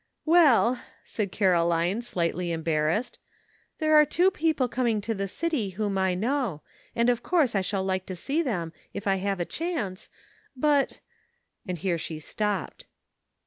"Well," said Caroline, slightly embarrassed, "there are two people coming to the city whom I know, and of course I shall like to see them if I have a chance ; but "— and here she stopped.